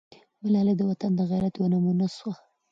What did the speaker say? ملالۍ د وطن د غیرت یوه نمونه سوه.